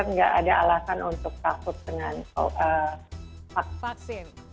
nggak ada alasan untuk takut dengan vaksin